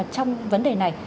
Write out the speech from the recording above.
trong vấn đề này